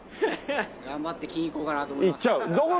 頑張って金いこうかなと思います。